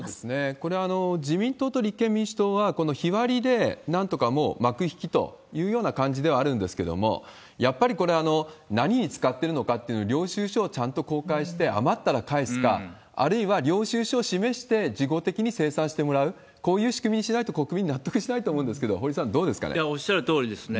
これ、自民党と立憲民主党は、この日割りでなんとか、もう幕引きというような感じではあるんですけども、やっぱりこれ、何に使ってるのかって、領収書をちゃんと公開して、余ったら返すか、あるいは領収書を示して、事後的に精算してもらう、こういう仕組みにしないと、国民納得しないと思うんですけど、おっしゃるとおりですね。